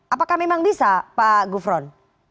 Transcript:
apakah memang bisa pak gufron